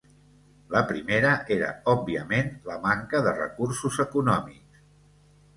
La primera era òbviament la manca de recursos econòmics.